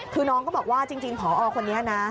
คือน้องก็บอกว่าจริงพอคนนี้นะ